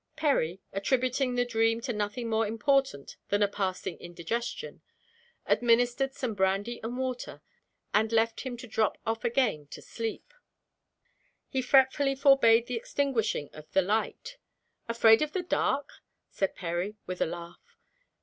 Perry (attributing the dream to nothing more important than a passing indigestion) administered some brandy and water, and left him to drop off again to sleep. He fretfully forbade the extinguishing of the light. "Afraid of the dark?" said Perry, with a laugh.